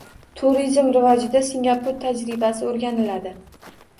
Turizm rivojida Singapur tajribasi oʻrganiladi